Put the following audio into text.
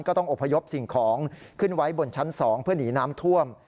ต้องอบพยพสิ่งของขึ้นไว้บนชั้น๒เพื่อหนีน้ำท่วม